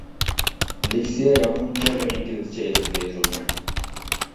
لېكسىيە ياپونچە ۋە ئىنگلىزچە ئېلىپ بېرىلىدۇ.